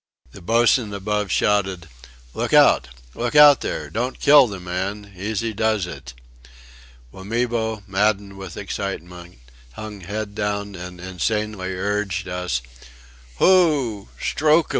The boatswain above shouted: "Look out! Look out there. Don't kill the man. Easy does it!" Wamibo, maddened with excitement, hung head down and insanely urged us: "Hoo! Strook'im!